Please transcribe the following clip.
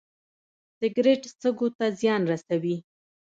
سګرټ سږو ته زیان رسوي